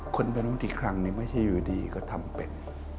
คนไม่รู้กี่ครั้งนี่ไม่ใช่อยู่ดีก็ทำเป็น